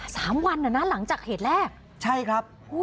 สามวันอ่ะนะหลังจากเหตุแรกใช่ครับอุ้ย